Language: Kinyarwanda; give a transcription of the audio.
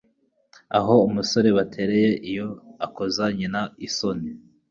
naho umusore batereye iyo akoza nyina isoni